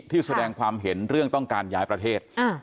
ที่แสดงความเห็นเรื่องต้องการย้ายประเทศ